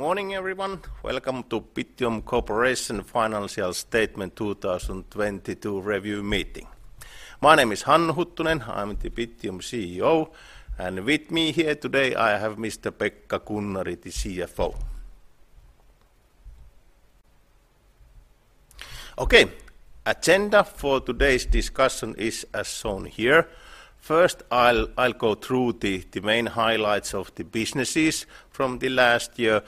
Morning, everyone. Welcome to Bittium Corporation Financial Statement 2022 Review Meeting. My name is Hannu Huttunen. I'm the Bittium CEO. With me here today, I have Mr. Pekka Kunnari, the CFO. Okay. Agenda for today's discussion is as shown here. First, I'll go through the main highlights of the businesses from the last year.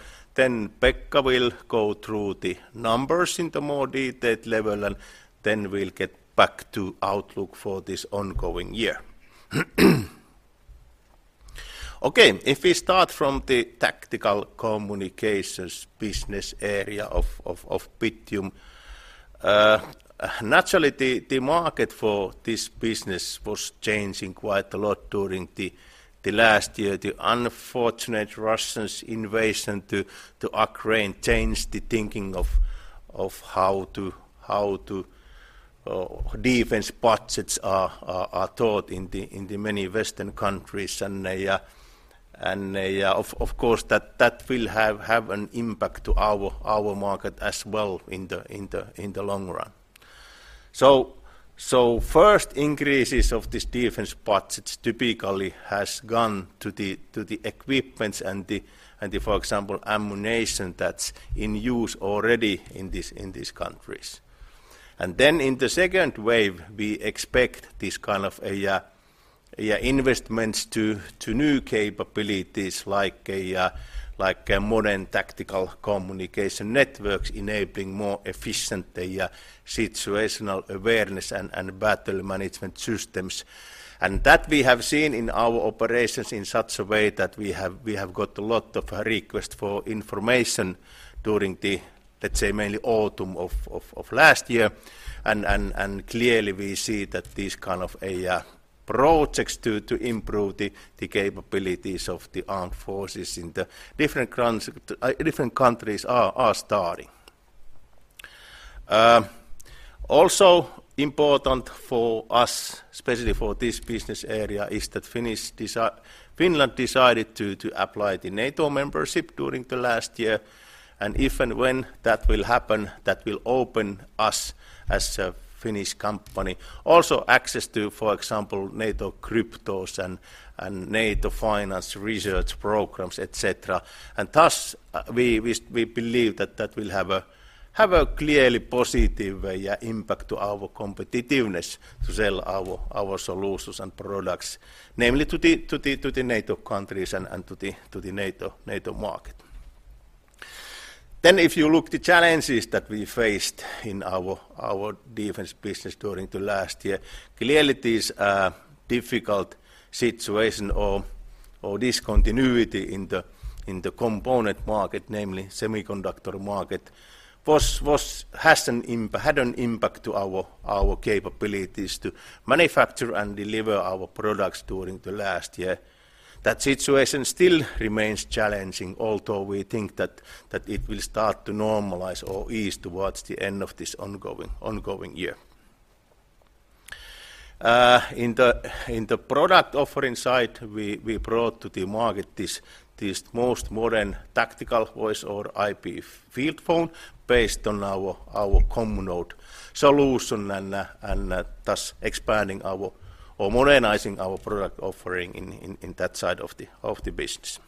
Pekka will go through the numbers in the more detailed level. Then we'll get back to outlook for this ongoing year. Okay. If we start from the tactical communications business area of Bittium. Naturally, the market for this business was changing quite a lot during the last year. The unfortunate Russian's invasion to Ukraine changed the thinking of how to defense budgets are thought in the many Western countries. Of course, that will have an impact to our market as well in the long run. First increases of these defense budgets typically has gone to the equipments and the, for example, ammunition that's in use already in these countries. Then in the second wave, we expect this kind of investments to new capabilities like a modern tactical communication networks enabling more efficient situational awareness and battle management systems. That we have seen in our operations in such a way that we have got a lot of request for information during the, let's say, mainly autumn of last year. Clearly we see that these kind of a projects to improve the capabilities of the armed forces in the different countries are starting. Also important for us, especially for this business area, is that Finland decided to apply the NATO membership during the last year. If and when that will happen, that will open us as a Finnish company. Also access to, for example, NATO cryptos and NATO finance research programs, et cetera. We believe that that will have a clearly positive impact to our competitiveness to sell our solutions and products, namely to the NATO countries and to the NATO market. If you look the challenges that we faced in our defense business during the last year, clearly it is a difficult situation or discontinuity in the component market, namely semiconductor market. Had an impact to our capabilities to manufacture and deliver our products during the last year. That situation still remains challenging, although we think that it will start to normalize or ease towards the end of this ongoing year. In the product offering side, we brought to the market this most modern tactical voice or IP field phone based on our Comnode solution, thus expanding or modernizing our product offering in that side of the business.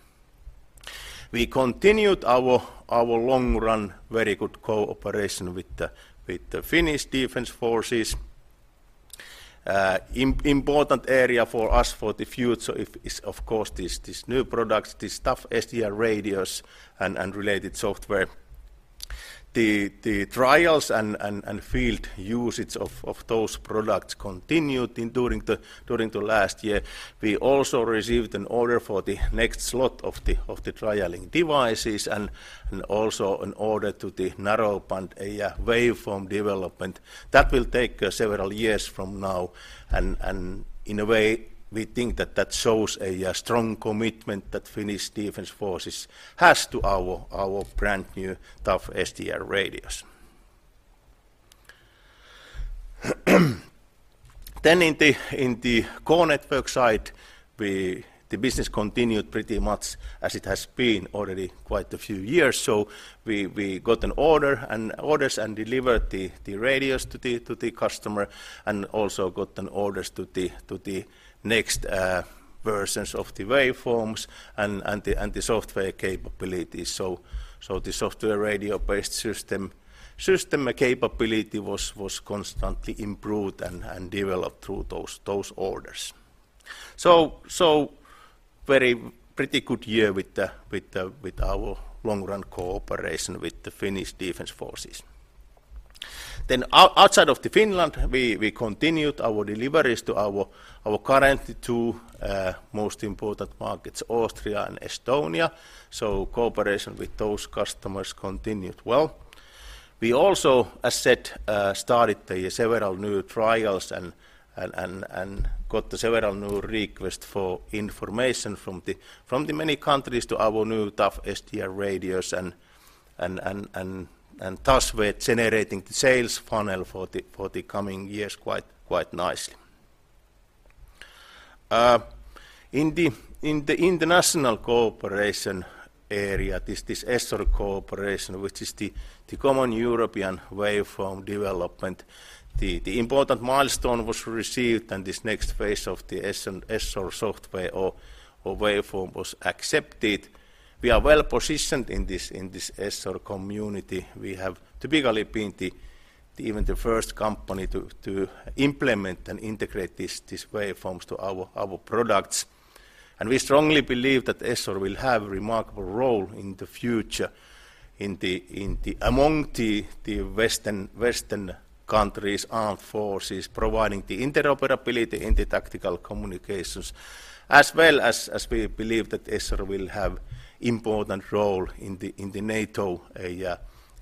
We continued our long run very good cooperation with the Finnish Defence Forces. Important area for us for the future is of course this new products, this Tough SDR radios and related software. The trials and field usage of those products continued during the last year. We also received an order for the next lot of the trialing devices and also an order to the narrowband waveform development. That will take several years from now. And in a way, we think that that shows a strong commitment that Finnish Defence Forces has to our brand-new Tough SDR radios. In the core network side, the business continued pretty much as it has been already quite a few years. We got an order and orders and delivered the radios to the customer and also got orders to the next versions of the waveforms and the software capabilities. The software radio-based system capability was constantly improved and developed through those orders. Very pretty good year with our long-run cooperation with the Finnish Defence Forces. Outside of Finland, we continued our deliveries to our current two most important markets, Austria and Estonia. Cooperation with those customers continued well. We also, as said, started several new trials and got several new requests for information from the many countries to our new Tough SDR radios and thus we're generating the sales funnel for the coming years quite nicely. In the international cooperation area, this ESSOR cooperation, which is the common European waveform development, the important milestone was received, and this next phase of the ESSOR software or waveform was accepted. We are well-positioned in this ESSOR community. We have typically been the even the first company to implement and integrate these waveforms to our products. We strongly believe that ESSOR will have remarkable role in the future among the Western countries' armed forces providing the interoperability in the tactical communications as well as we believe that ESSOR will have important role in the NATO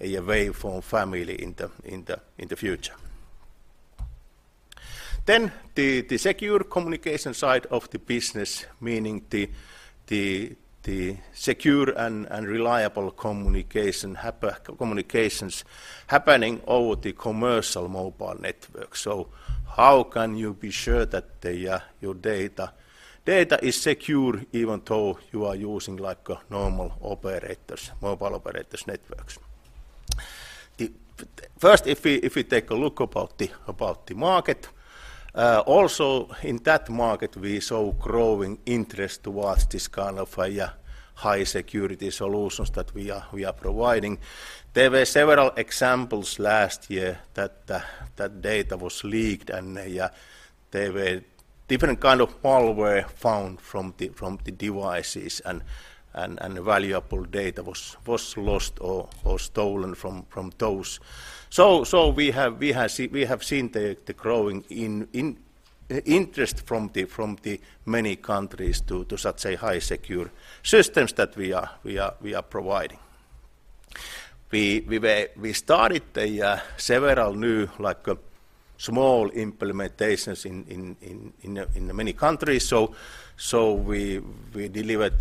waveform family in the future. The secure communication side of the business, meaning the secure and reliable communications happening over the commercial mobile network. How can you be sure that your data is secure even though you are using like normal operators, mobile operators' networks? First, if we take a look about the market, also in that market we saw growing interest towards this kind of high security solutions that we are providing. There were several examples last year that data was leaked and there were different kind of malware found from the devices and valuable data was lost or stolen from those. We have seen the growing interest from the many countries to such a high secure systems that we are providing. We started several new like small implementations in many countries. We delivered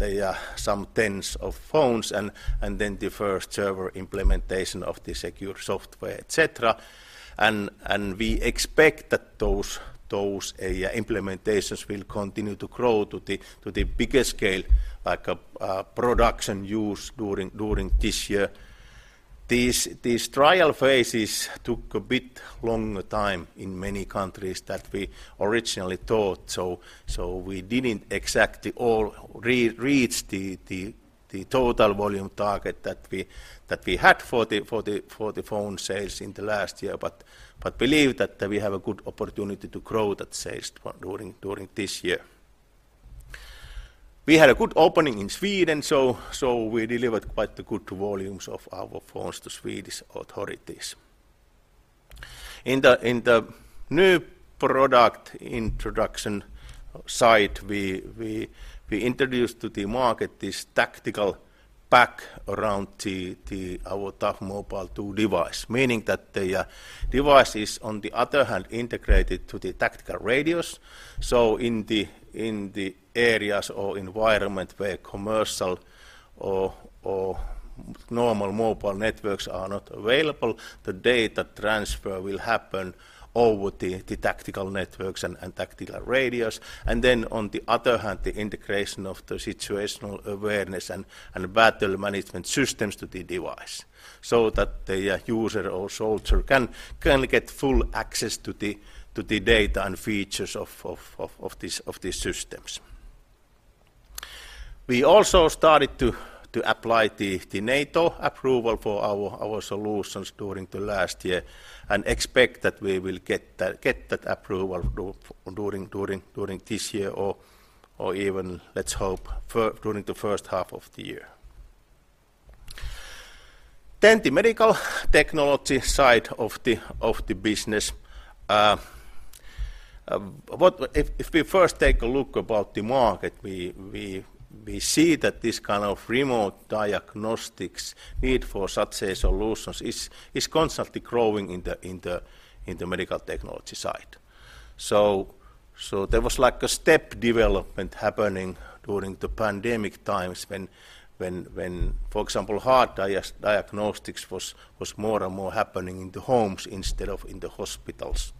some tens of phones and then the first server implementation of the secure software, et cetera. We expect that those implementations will continue to grow to the bigger scale, like production use during this year. These trial phases took a bit longer time in many countries that we originally thought. We didn't exactly all re-reach the total volume target that we had for the phone sales in the last year, but believe that we have a good opportunity to grow that sales during this year. We had a good opening in Sweden, we delivered quite the good volumes of our phones to Swedish authorities. In the new product introduction site, we introduced to the market this tactical pack around our Bittium Tough Mobile 2 device, meaning that the device is on the other hand integrated to the tactical radios. In the areas or environment where commercial or normal mobile networks are not available, the data transfer will happen over the tactical networks and tactical radios. On the other hand, the integration of the situational awareness and battle management systems to the device, so that the user or soldier can get full access to the data and features of these systems. We also started to apply the NATO approval for our solutions during the last year and expect that we will get that approval during this year or even, let's hope, during the first half of the year. The medical technology side of the business. If we first take a look about the market, we see that this kind of remote diagnostics need for such solutions is constantly growing in the medical technology side. There was like a step development happening during the pandemic times when, for example, heart diagnostics was more and more happening in the homes instead of in the hospitals.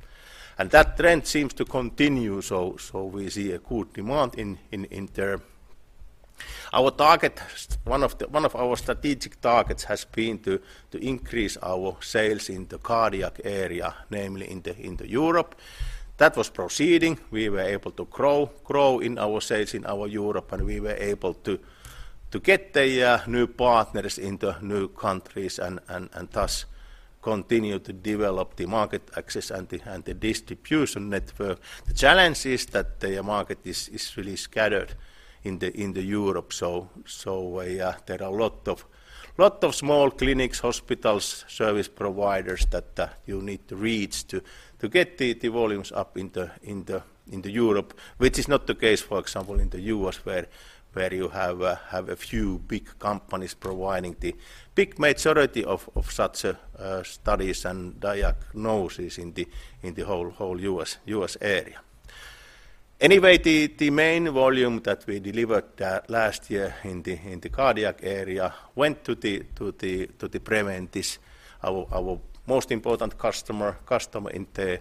That trend seems to continue, we see a good demand in there. Our target, one of our strategic targets has been to increase our sales in the cardiac area, namely in Europe. That was proceeding. We were able to grow in our sales in our Europe. We were able to get the new partners into new countries and thus continue to develop the market access and the distribution network. The challenge is that the market is really scattered in the Europe. There are a lot of small clinics, hospitals, service providers that you need to reach to get the volumes up in the Europe, which is not the case, for example, in the U.S. where you have a few big companies providing the big majority of such studies and diagnosis in the whole U.S. Area. Anyway, the main volume that we delivered last year in the cardiac area went to the Preventice, our most important customer in the...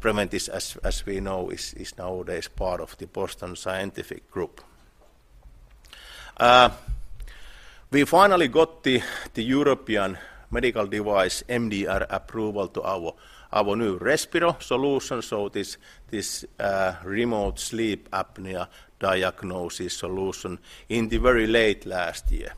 Preventice as we know is nowadays part of the Boston Scientific group. We finally got the European Medical Device MDR approval to our new Respiro solution. This remote sleep apnea diagnosis solution in the very late last year.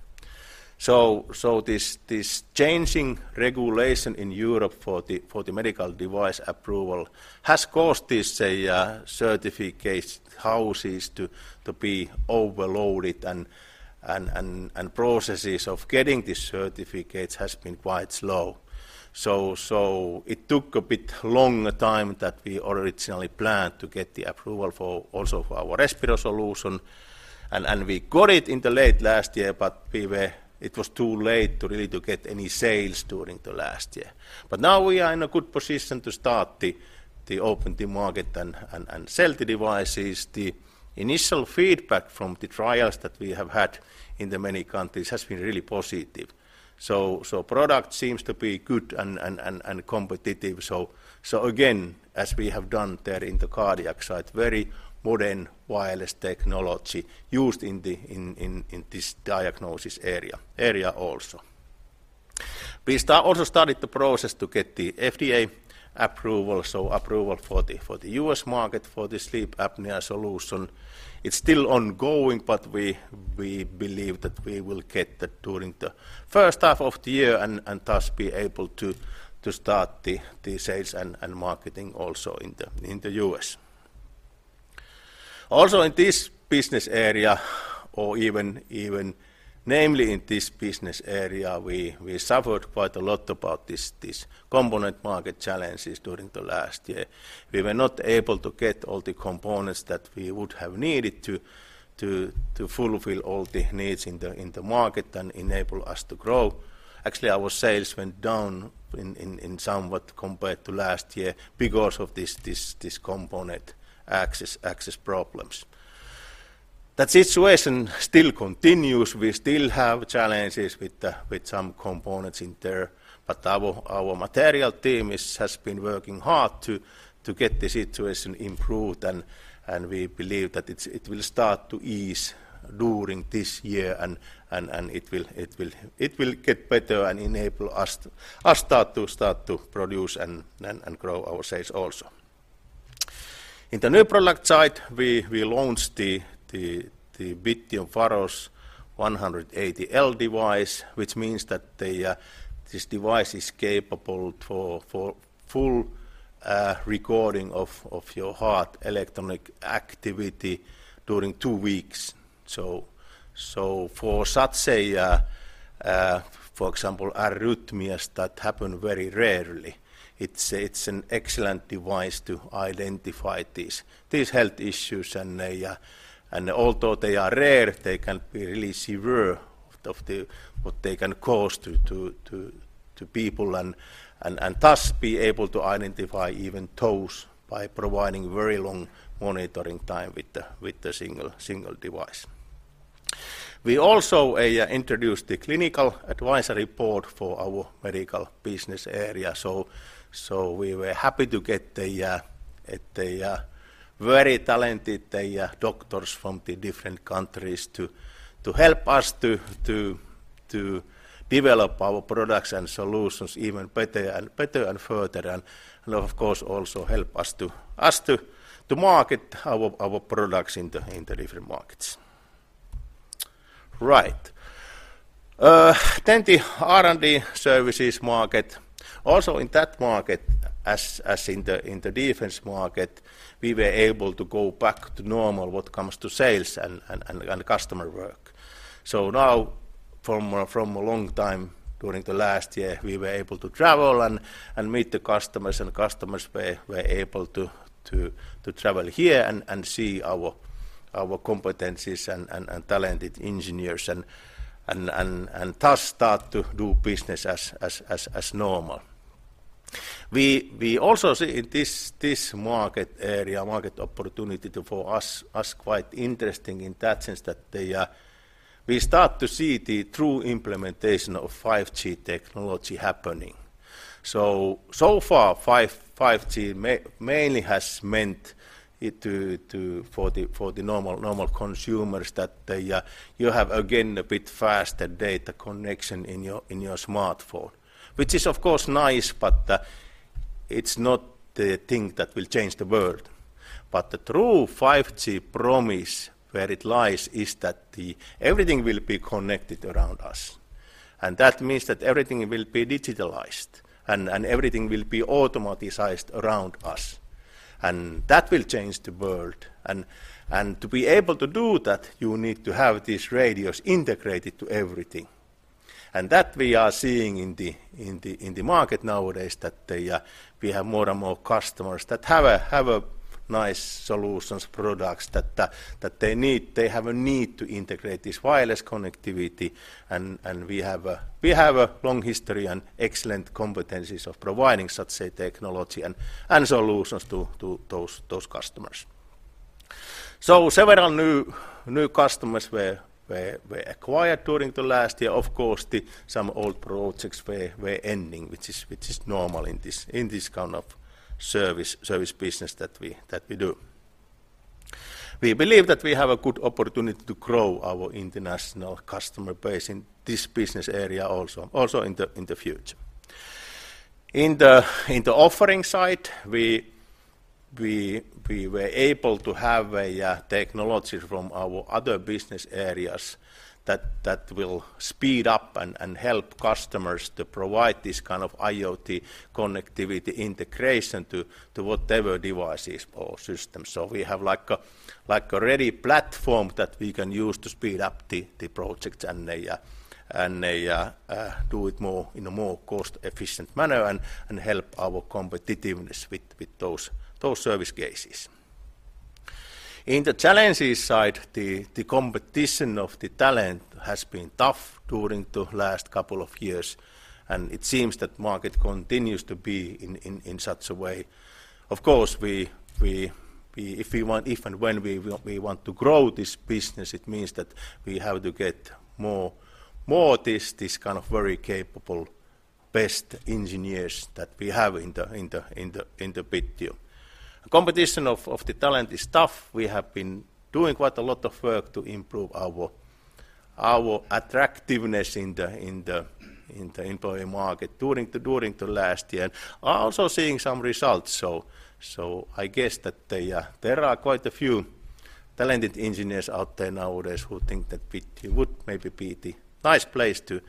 This changing regulation in Europe for the medical device approval has caused this certificate houses to be overloaded and processes of getting the certificates has been quite slow. It took a bit longer time that we originally planned to get the approval for also for our Respiro solution. We got it in the late last year, but it was too late to really to get any sales during the last year. Now we are in a good position to start the open the market and sell the devices. The initial feedback from the trials that we have had in the many countries has been really positive. Product seems to be good and competitive. Again, as we have done there in the cardiac side, very modern wireless technology used in this diagnosis area also. We also started the process to get the FDA approval, so approval for the U.S. market for the sleep apnea solution. It's still ongoing, but we believe that we will get that during the first half of the year and thus be able to start the sales and marketing also in the U.S. Also in this business area, or even namely in this business area, we suffered quite a lot about this component market challenges during the last year. We were not able to get all the components that we would have needed to fulfill all the needs in the market and enable us to grow. Actually, our sales went down in somewhat compared to last year because of this component access problems. That situation still continues. We still have challenges with some components in there. Our material team has been working hard to get the situation improved, and we believe that it will start to ease during this year and it will get better and enable us to start to produce and grow our sales also. In the new product side, we launched the Bittium Faros 180L device, which means that this device is capable for full recording of your heart electronic activity during two weeks. For example, arrhythmias that happen very rarely, it's an excellent device to identify these health issues. Although they are rare, they can be really severe of the, what they can cause to people and thus be able to identify even those by providing very long monitoring time with the single device. We also introduced the clinical advisory board for our medical business area. We were happy to get the very talented doctors from the different countries to help us to develop our products and solutions even better and further and of course also help us to market our products in the different markets. Right. The R&D services market. Also in that market, as in the Defence market, we were able to go back to normal what comes to sales and customer work. Now from a long time during the last year, we were able to travel and meet the customers, and customers were able to travel here and see our competencies and talented engineers and thus start to do business as normal. We also see in this market area, market opportunity for us, as quite interesting in that sense that we start to see the true implementation of 5G technology happening. So far, 5G mainly has meant it to for the normal consumers that you have again a bit faster data connection in your smartphone. Which is of course nice, but it's not the thing that will change the world. The true 5G promise where it lies is that the everything will be connected around us. That means that everything will be digitalized and everything will be automatized around us. That will change the world. To be able to do that, you need to have these radios integrated to everything. That we are seeing in the market nowadays that we have more and more customers that have a nice solutions, products that they need. They have a need to integrate this wireless connectivity and we have a long history and excellent competencies of providing such a technology and solutions to those customers. Several new customers were acquired during the last year. Of course, some old projects were ending, which is normal in this kind of service business that we do. We believe that we have a good opportunity to grow our international customer base in this business area also in the future. In the offering side, we were able to have a technology from our other business areas that will speed up and help customers to provide this kind of IoT connectivity integration to whatever devices or systems. We have like a ready platform that we can use to speed up the projects and do it more, in a more cost-efficient manner and help our competitiveness with those service cases. In the challenges side, the competition of the talent has been tough during the last couple of years, and it seems that market continues to be in such a way. Of course, If we want, if and when we want to grow this business, it means that we have to get more this kind of very capable best engineers that we have in the Bittium. Competition of the talent is tough. We have been doing quite a lot of work to improve our attractiveness in the employee market during the last year, and also seeing some results. I guess that they, there are quite a few talented engineers out there nowadays who think that Bittium would maybe be the nice place to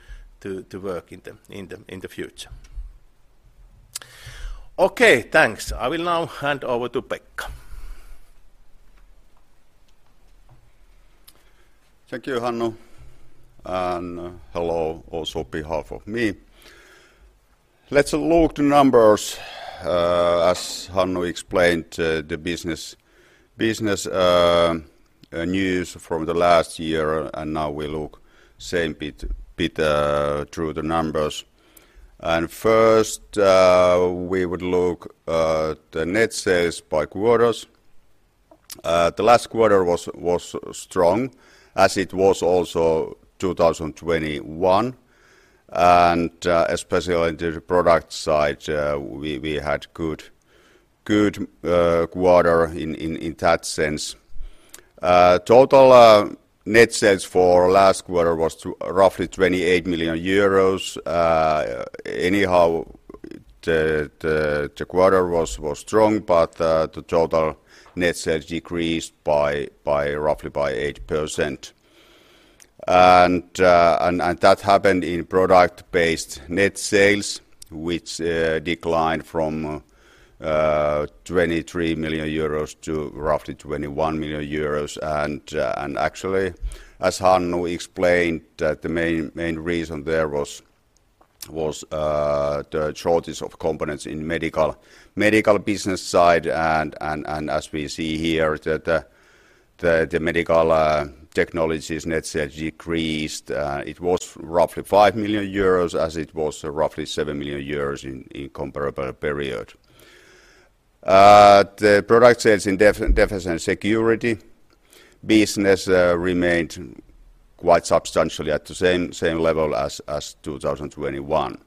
work in the future. Okay, thanks. I will now hand over to Pekka. Thank you, Hannu. Hello also behalf of me. Let's look to numbers, as Hannu explained the business news from the last year. Now we look same bit through the numbers. First, we would look the net sales by quarters. The last quarter was strong, as it was also 2021. Especially in the product side, we had good quarter in that sense. Total net sales for last quarter was roughly 28 million euros. Anyhow, the quarter was strong, but the total net sales decreased by roughly 8%. That happened in product-based net sales, which declined from 23 million euros to roughly 21 million euros. Actually, as Hannu explained, the main reason there was the shortage of components in medical business side. As we see here, the medical technologies net sales decreased. It was roughly 5 million euros, as it was roughly 7 million euros in comparable period. The product sales in defense and security business remained quite substantially at the same level as 2021.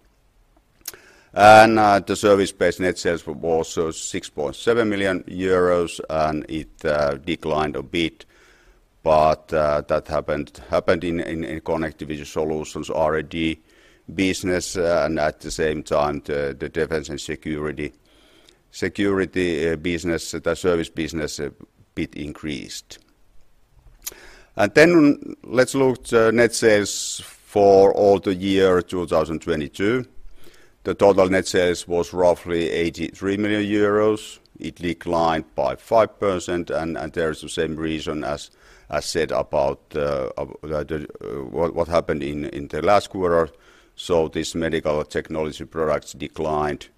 The service-based net sales were also 6.7 million euros, and it declined a bit, but that happened in Connectivity Solutions R&D business. At the same time, the defense and security business, the service business a bit increased. Let's look the net sales for all the year 2022. The total net sales was roughly 83 million euros. It declined by 5%, and there is the same reason as said about what happened in the last quarter. This medical technology products declined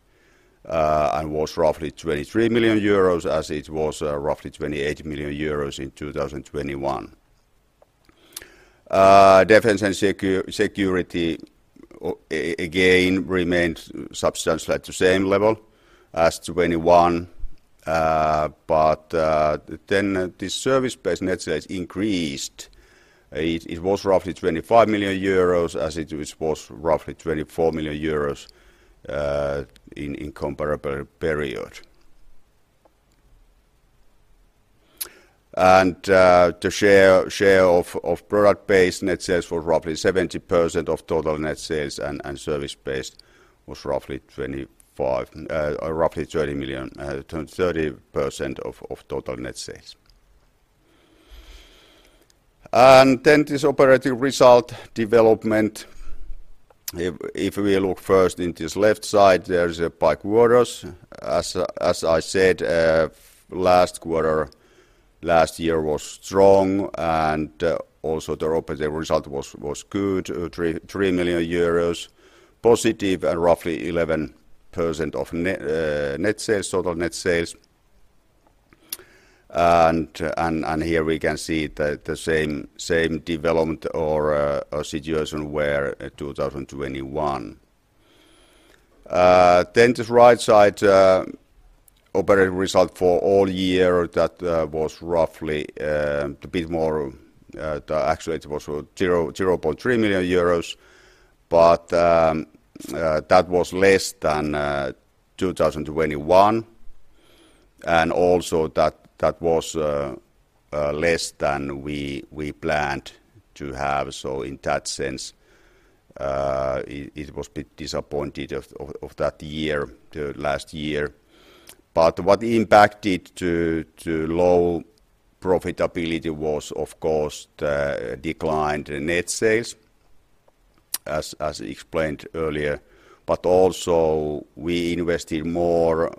and was roughly 23 million euros, as it was roughly 28 million euros in 2021. Defence and security again remained substantially at the same level as 2021. The service-based net sales increased. It was roughly 25 million euros as it was roughly 24 million euros in comparable period. The share of product-based net sales was roughly 70% of total net sales, and service-based was roughly 25%, or roughly 30 million, 30% of total net sales. This operating result development, if we look first in this left side, there is by quarters. As I said, last quarter, last year was strong, and also the operating result was good, 3 million euros positive and roughly 11% of net sales, total net sales. Here we can see the same development or situation where 2021. This right side, operating result for all year, that was roughly a bit more, actually it was 0.3 million euros. That was less than 2021, and also that was less than we planned to have. In that sense, it was bit disappointed of that year, the last year. What impacted to low profitability was, of course, the declined net sales as explained earlier. Also we invested more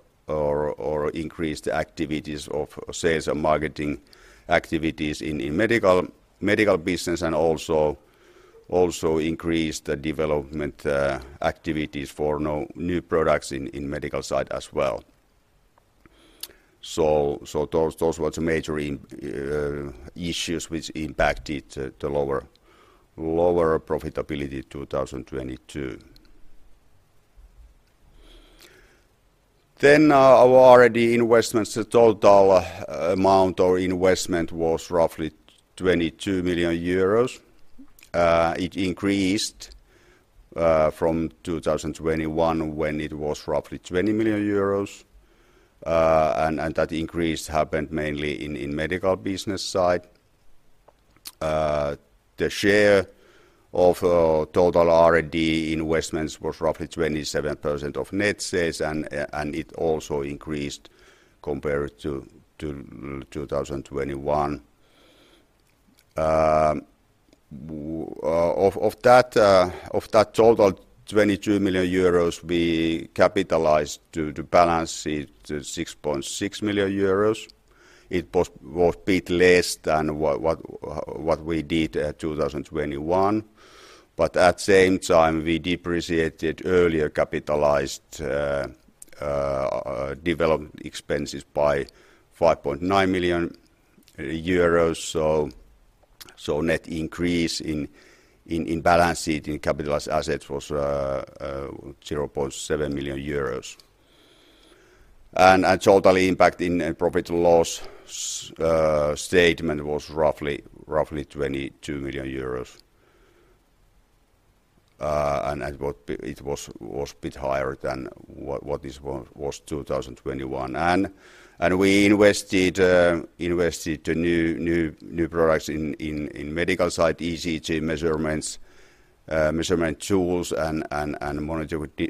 or increased the activities of sales and marketing activities in medical business, and also increased the development activities for new products in medical side as well. Those were the major issues which impacted the lower profitability in 2022. Our R&D investments, the total amount or investment was roughly 22 million euros. It increased from 2021 when it was roughly 20 million euros, and that increase happened mainly in medical business side. The share of total R&D investments was roughly 27% of net sales and it also increased compared to 2021. Of that total 22 million euros we capitalized to the balance sheet, 6.6 million euros. It was bit less than what we did at 2021. At same time, we depreciated earlier capitalized development expenses by 5.9 million euros. Net increase in balance sheet in capitalized assets was 0.7 million euros. Total impact in profit and loss statement was roughly EUR 22 million. It was bit higher than what was 2021. We invested to new products in medical side, ECG measurements, measurement tools and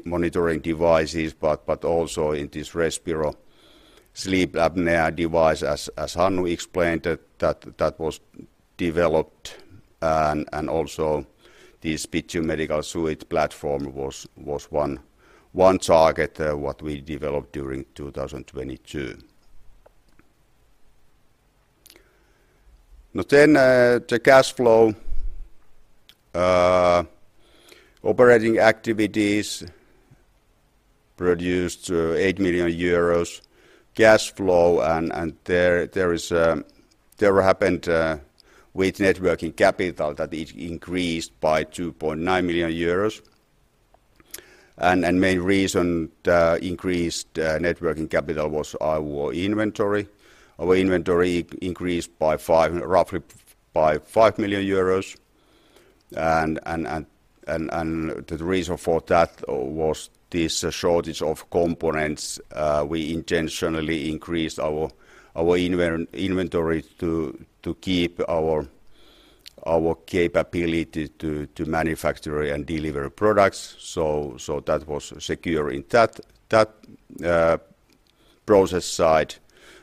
monitoring devices. Also in this Respiro sleep apnea device as Hannu explained it, that was developed, and also this Bittium MedicalSuite platform was one target what we developed during 2022. The cash flow operating activities produced 8 million euros cash flow. There is, there happened with net working capital that it increased by 2.9 million euros. Main reason the increased net working capital was our inventory. Our inventory increased roughly by EUR 5 million. The reason for that was this shortage of components. We intentionally increased our inventory to keep our capability to manufacture and deliver products. That was secure in that process side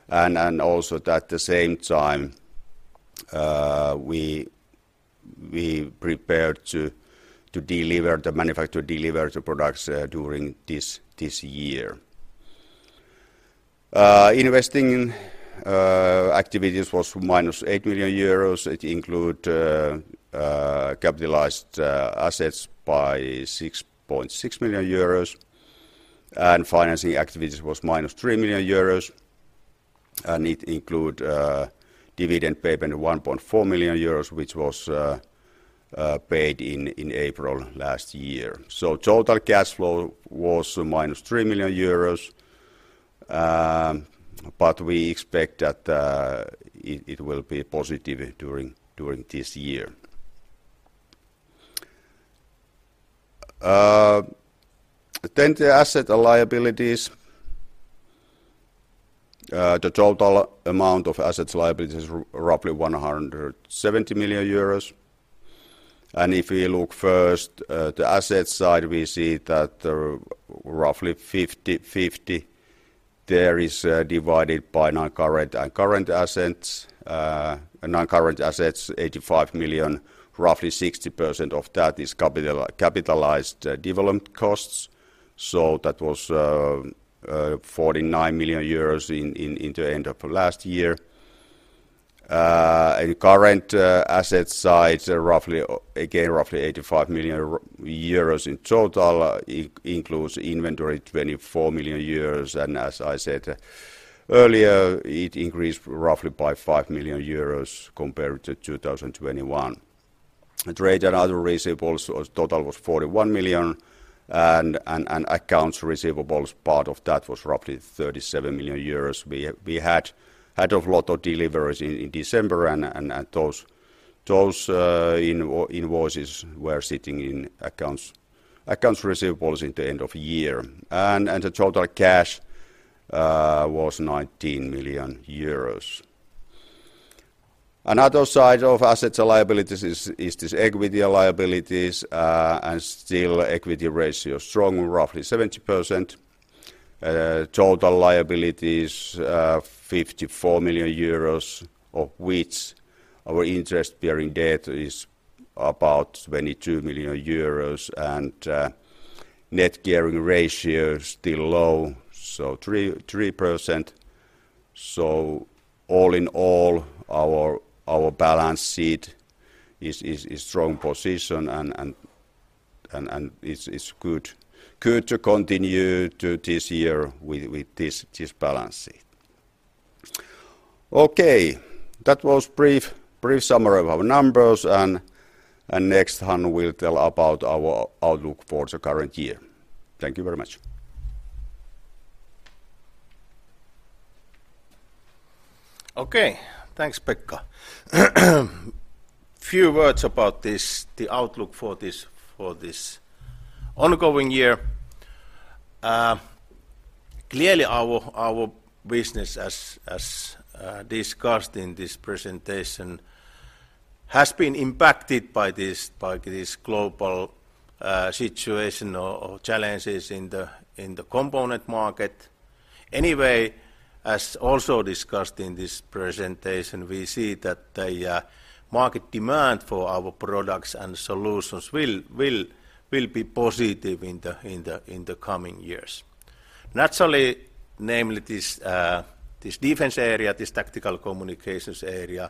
and also at the same time, we prepared to deliver the products during this year. Investing activities was minus 8 million euros. It include capitalized assets by 6.6 million euros and financing activities was minus 3 million euros, and it include dividend payment, 1.4 million euros, which was paid in April last year. Total cash flow was minus 3 million euros, but we expect that it will be positive during this year. The asset and liabilities. The total amount of assets and liabilities is roughly 170 million euros. If we look first at the asset side, we see that there are roughly 50/50. There is, divided by non-current and current assets. Non-current assets, 85 million, roughly 60% of that is capitalized development costs. That was, 49 million euros in the end of last year. In current asset side, roughly, again, roughly 85 million euros in total. It includes inventory, 24 million euros, and as I said earlier, it increased roughly by 5 million euros compared to 2021. Trade and other receivables total was 41 million and accounts receivables, part of that was roughly 37 million euros. We had a lot of deliveries in December and those invoices were sitting in accounts receivables at the end of year. The total cash was 19 million euros. Another side of assets and liabilities is this equity and liabilities, still equity ratio strong, roughly 70%. Total liabilities, 54 million euros of which our interest bearing debt is about 22 million euros, net gearing ratio is still low, so 3%. All in all, our balance sheet is strong position and is good to continue to this year with this balance sheet. Okay, that was brief summary of our numbers and next Hannu will tell about our outlook for the current year. Thank you very much. Okay. Thanks, Pekka. Few words about the outlook for this ongoing year. Clearly our business as discussed in this presentation has been impacted by this global situation or challenges in the component market. Anyway, as also discussed in this presentation, we see that the market demand for our products and solutions will be positive in the coming years. Naturally, namely this defense area, this tactical communications area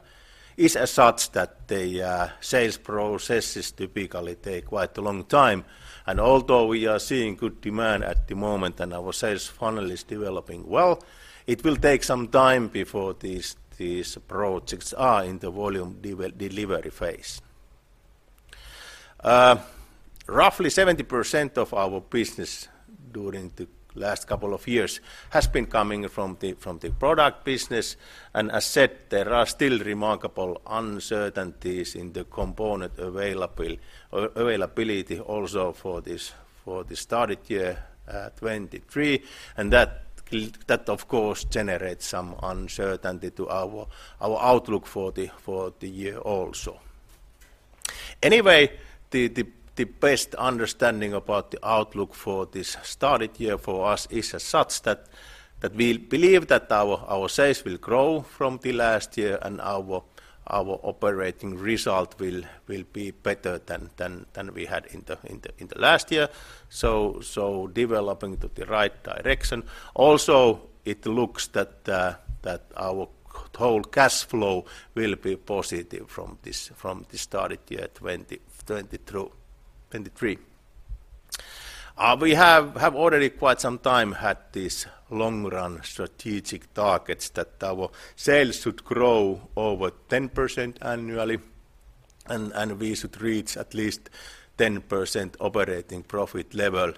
is as such that the sales processes typically take quite a long time. Although we are seeing good demand at the moment and our sales funnel is developing well, it will take some time before these projects are in the volume delivery phase. Roughly 70% of our business during the last couple of years has been coming from the product business. As said, there are still remarkable uncertainties in the component availability also for this started year 2023. That of course generates some uncertainty to our outlook for the year also. The best understanding about the outlook for this started year for us is as such that we believe that our sales will grow from the last year and our operating result will be better than we had in the last year. Developing to the right direction. Also, it looks that our total cash flow will be positive from this started year 2023. We have already quite some time had these long-run strategic targets that our sales should grow over 10% annually and we should reach at least 10% operating profit level.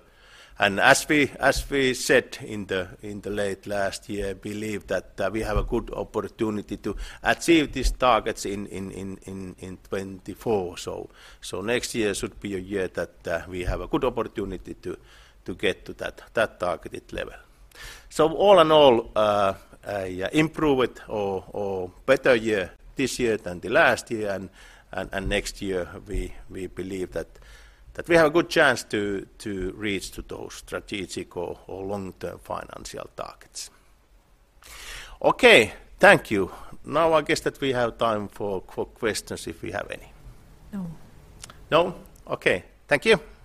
As we said in the late last year, believe that we have a good opportunity to achieve these targets in 2024. Next year should be a year that we have a good opportunity to get to that targeted level. All in all, improved or better year this year than the last year and next year we believe that we have a good chance to reach to those strategic or long-term financial targets. Thank you. I guess that we have time for questions if we have any. No. No? Okay. Thank you.